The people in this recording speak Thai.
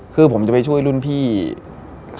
คือผมจะช่วยรุ่นพี่หลายลักษณะ